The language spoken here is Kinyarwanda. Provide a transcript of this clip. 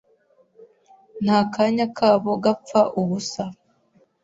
nta kanya kabo gapfa ubusa.